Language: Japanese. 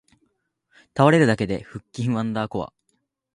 倒れるだけで腹筋ワンダーコア